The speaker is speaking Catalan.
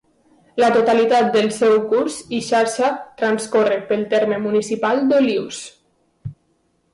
La totalitat del seu curs i xarxa transcorre pel terme municipal d'Olius.